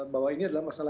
bahwa ini adalah masalah